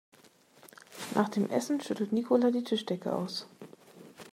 Nach dem Essen schüttelt Nicola die Tischdecke aus.